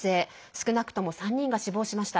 少なくとも３人が死亡しました。